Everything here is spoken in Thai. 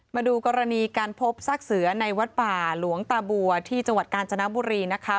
มาดูกรณีการพบซากเสือในวัดป่าหลวงตาบัวที่จังหวัดกาญจนบุรีนะคะ